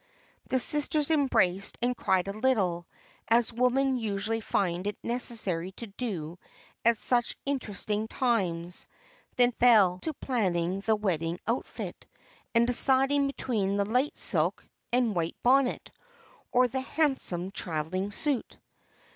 The sisters embraced and cried a little, as women usually find it necessary to do at such interesting times; then fell to planning the wedding outfit, and deciding between the "light silk and white bonnet," or the "handsome travelling suit."